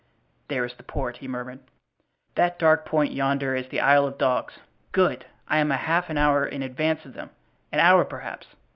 "There is the port," he murmured. "That dark point yonder is the Isle of Dogs. Good! I am half an hour in advance of them, an hour, perhaps.